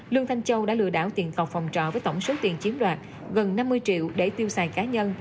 lương thanh châu đã lừa đảo tiền cọc phòng trọ với tổng số tiền chiếm đoạt gần năm mươi triệu để tiêu xài cá nhân